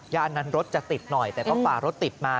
อันนั้นรถจะติดหน่อยแต่ก็ฝ่ารถติดมา